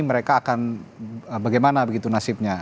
mereka akan bagaimana begitu nasibnya